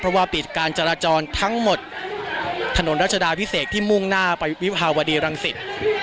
เพราะว่าปิดการจราจรทั้งหมดถนนรัชดาพิเศษที่มุ่งหน้าไปวิภาวดีรังสิต